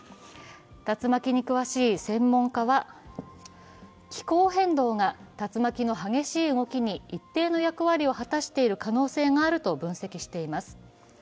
竜巻に詳しい専門家は、気候変動が竜巻の激しい動きに一定の役割を果たしている可能性があると分析しています。